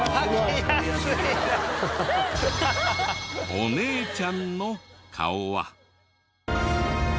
お姉ちゃんの顔は。